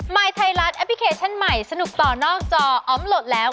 ยไทยรัฐแอปพลิเคชันใหม่สนุกต่อนอกจออมโหลดแล้ว